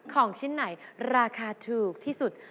ของชิ้นไหนราคาถูกที่สุด